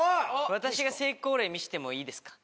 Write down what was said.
私が成功例見せてもいいですか。